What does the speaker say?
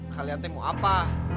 kalian tengok apa